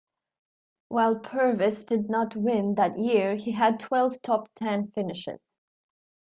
While Purvis did not win that year, he had twelve top-ten finishes.